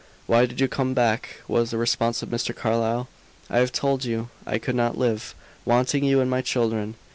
"Why did you come back?" was the response of Mr. Carlyle. "I have told you. I could not live, wanting you and my children."